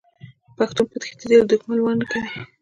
پښتون په تښتیدلي دښمن وار نه کوي.